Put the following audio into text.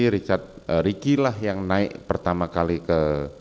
richard ricky lah yang naik pertama kali ke